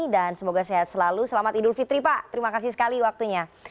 dan semoga sehat selalu selamat idul fitri pak terima kasih sekali waktunya